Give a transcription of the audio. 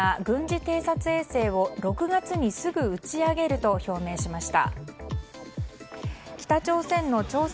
北朝鮮の朝鮮労働党幹部が軍事偵察衛星を６月にすぐ打ち上げると表明しました。